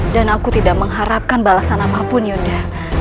dan aku tidak mengharapkan balasan apapun yunda